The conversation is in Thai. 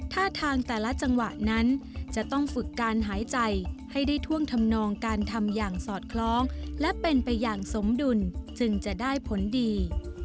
ท่าทางแต่ละจังหวะนั้นจะต้องฝึกการหายใจให้ได้ท่วงทำนองการทำอย่างสอดคล้องและเป็นไปอย่างสมดุลจึงจะได้ผลดี